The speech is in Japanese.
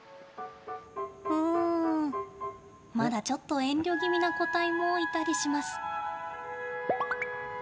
うんまだちょっと遠慮気味な個体もいたりします。